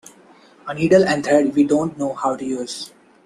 A needle and thread we don't know how to use.